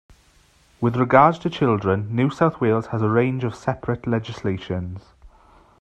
With regards to children, New South Wales has a range of separate legislations.